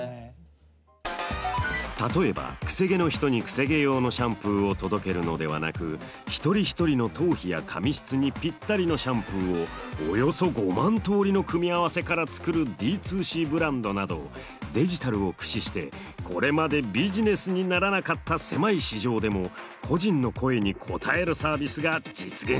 例えばくせ毛の人にくせ毛用のシャンプーを届けるのではなく一人一人の頭皮や髪質にぴったりのシャンプーをおよそ５万通りの組み合わせから作るＤ２Ｃブランドなどデジタルを駆使してこれまでビジネスにならなかった狭い市場でも個人の声に応えるサービスが実現しているんです。